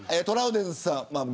トラウデンさん